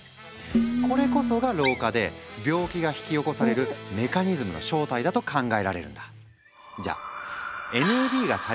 これこそが老化で病気が引き起こされるメカニズムの正体だと考えられるんだ。